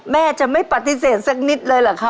แม่จะไม่ปฏิเสธสักนิดเลยเหรอคะ